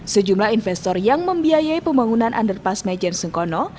sejumlah investor yang membiayai pembangunan underpass majen sungkono